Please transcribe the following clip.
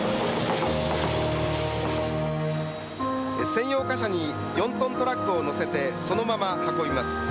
専用貨車に４トントラックを載せて、そのまま運びます。